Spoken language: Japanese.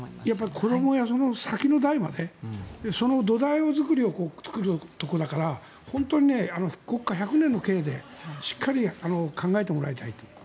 子どもやその先の代までその土台作りを作るところだから本当に国家百年の計でしっかり考えてもらいたい。